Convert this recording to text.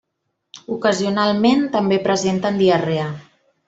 Ocasionalment també presenten diarrea.